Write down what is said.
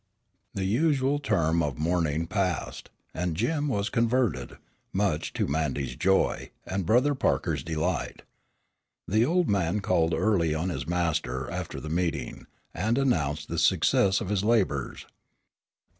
The usual term of mourning passed, and Jim was converted, much to Mandy's joy, and Brother Parker's delight. The old man called early on his master after the meeting, and announced the success of his labors.